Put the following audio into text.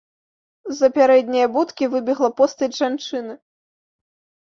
З-за пярэдняе будкі выбегла постаць жанчыны.